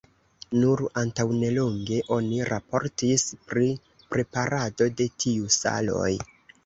Nur antaŭnelonge oni raportis pri preparado de tiu saloj.